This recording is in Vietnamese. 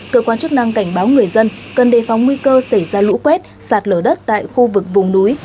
cơ quan chức năng cảnh báo người dân cần đề phòng nguy cơ xảy ra lũ quét sạt lở đất tại khu vực vùng núi